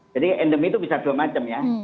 jadi endemi itu bisa dua macam ya